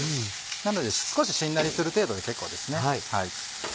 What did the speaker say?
なので少ししんなりする程度で結構ですね。